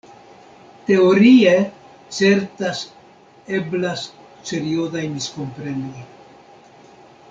Teorie certas eblas seriozaj miskomprenoj.